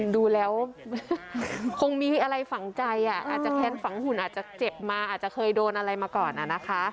ดูแล้วคงมีอะไรฝังใจอาจจะแค้นฝังหุ่นอาจจะเจ็บมาอาจจะเคยโดนอะไรมาก่อนนะคะ